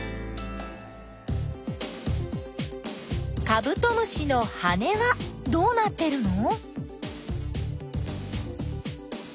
カブトムシの羽はどうなってるの？